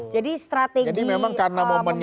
jadi strategi memarketingkan politik ini